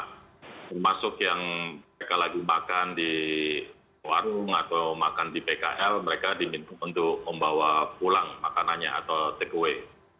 termasuk yang mereka lagi makan di warung atau makan di pkl mereka diminta untuk membawa pulang makanannya atau take away